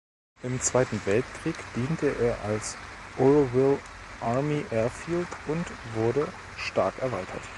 Im Zweiten Weltkrieg diente er als "Oroville Army Air Field" und wurde stark erweitert.